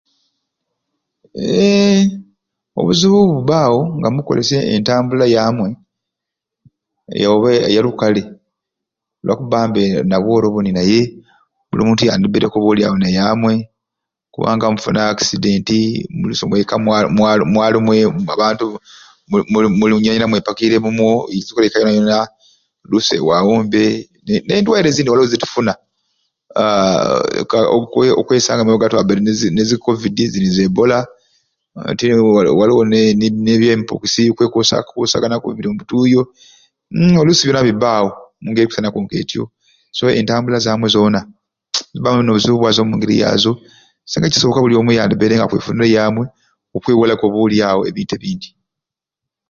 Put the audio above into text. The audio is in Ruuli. Eee obuzibu bubbaawo nga mukkolesya entambula ey'amwe ee oba oba eyalukale elwakubba mbe na bworo buni naye buli muntu yandibbaireku oba oliawo ne yaamwe kubanga ni mufuna akisidenti oluusi mwika mwali mwa mwali muli muli buli omwe abantu nyena nywena mwepakiire mumwo izukira oluusi awo mbe eee ne nendwaire ezindi zitufuna aaa okwe okwesanga awo waliwo abbaire ne zikovidi zini z'ebbola ati wali wali waliwo ne nebi emupokisi ebikwekuusa n'olutuuyo uum oluusi byona bibbaawo mu ngeri ekwisanaku k'etyo so entambula z'amwe zoona zibbaamu n'obuzibu bwazo omu ngeri yaazo singa kibbaire kikusoboka buli omwe yandibbaire nga akwefunira e yaamwe okwewalaku oba oliawo ebintu ebindi.